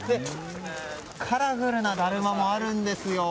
カラフルなだるまもあるんですよ。